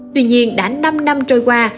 tuy nhiên đã năm năm trôi qua